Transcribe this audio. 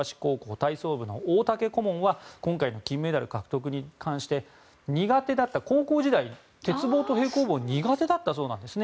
体操部の大竹顧問は今回の金メダル獲得について苦手だった高校時代は鉄棒と平行棒は苦手だったそうなんですね。